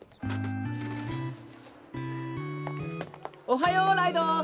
おはようライドウ。